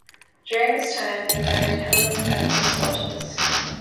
During this time he married Helen Frances Watters.